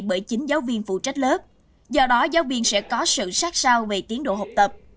bởi chính giáo viên phụ trách lớp do đó giáo viên sẽ có sự sát sao về tiến độ học tập